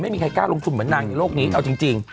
ไม่มีใครกล้าลงทุนเหมือนนางในโลกนี้เอาจริง